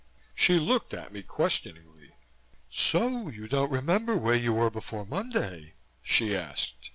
She looked at me questioningly. "So you don't remember where you were before Monday?" she asked.